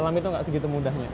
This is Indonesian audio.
palang pintu nggak segitu mudahnya